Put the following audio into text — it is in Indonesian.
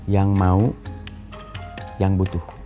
yang mau yang butuh